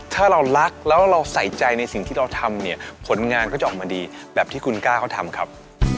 ถ้าเรารักแล้วเราใส่ใจในสิ่งที่เราทำเนี่ยผลงานก็จะออกมาดีแบบที่คุณกล้าเขาทำครับ